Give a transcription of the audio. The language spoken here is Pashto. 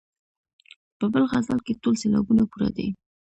په بل غزل کې ټول سېلابونه پوره دي.